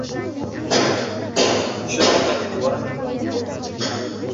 Shu kundan e’tiboran, ikkovimiz boja!